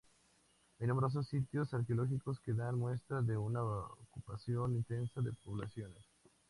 Hay numerosos sitios arqueológicos que dan muestra de una ocupación intensa de poblaciones.